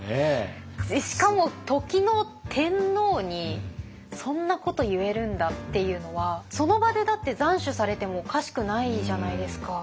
しかも時の天皇にそんなこと言えるんだっていうのはその場でだって斬首されてもおかしくないじゃないですか。